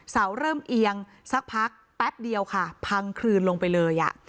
เริ่มเอียงสักพักแป๊บเดียวค่ะพังคลืนลงไปเลยอ่ะ